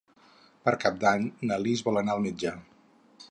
Per Cap d'Any na Lis vol anar al metge.